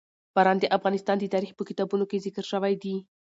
باران د افغان تاریخ په کتابونو کې ذکر شوی دي.